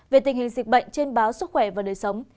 về tình hình dịch bệnh trên báo sức khỏe và đời sống